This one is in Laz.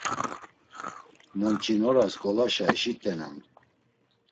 Monç̌inoras ngolaşa eşit̆enan.